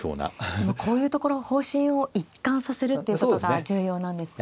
でもこういうところの方針を一貫させるっていうことが重要なんですね。